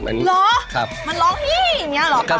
เหรอมันร้องเฮ้ยอย่างนี้หรอค่ะ